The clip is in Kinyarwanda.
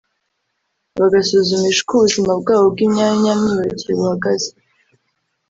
bagasuzumisha uko ubuzima bwabo bw’imyanya myibarukiro buhagaze